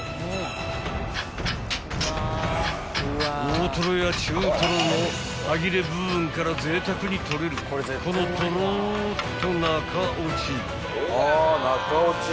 ［大とろや中とろの端切れ部分からぜいたくに取れるこのとろっと］